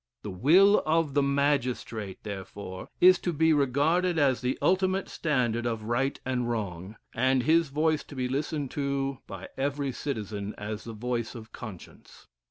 The will of the magistrate, therefore, is to be regarded as the ultimate standard of right and wrong, and his voice to be listened to by every citizen as the voice of conscience."